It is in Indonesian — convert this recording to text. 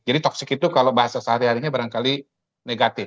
jadi toksik itu kalau bahasa sehari hari ini barangkali negatif